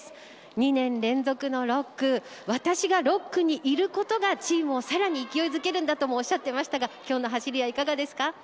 ２年連続の６区私が６区にいることがチームをさらに勢いづけるんだともおっしゃっていましたが今日の走りはいかがですか。